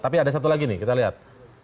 tapi ada satu lagi nih kita lihat